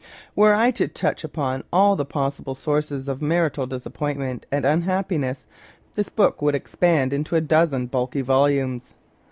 Were I to touch upon all the possible sources of marital disappointment and unhappiness, this book would expand into a dozen bulky volumes.